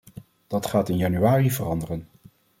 Dat gaat in januari veranderen.